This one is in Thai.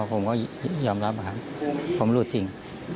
ผมก็ยอมรับครับผมหลุดจริง